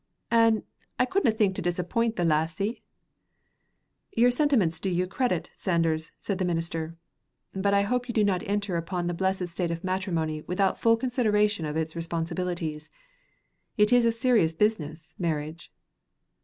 "An" I cudna think to disappoint the lassie." "Your sentiments do you credit, Sanders," said the minister; "but I hope you do not enter upon the blessed state of matrimony without full consideration of its responsibilities. It is a serious business, marriage."